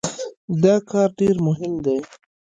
دا کار ډېر مهم دی.